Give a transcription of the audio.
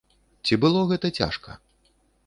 Ці было гэта цяжка?